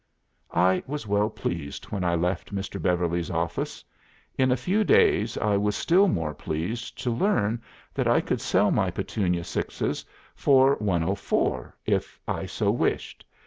'" "I was well pleased when I left Mr. Beverly's office. In a few days I was still more pleased to learn that I could sell my Petunia sixes for 104 if so wished.